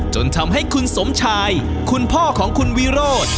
จนทำให้คุณสมชายคุณพ่อของคุณวิโรธ